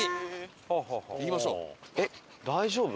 えっ大丈夫？